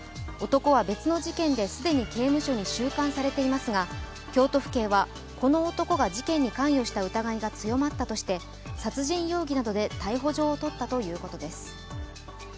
男は別の事件で既に刑務所に収監されていますが京都府警は、この男が事件に関与した疑いが強まったとして、殺人容疑などで逮捕状を取ったということです。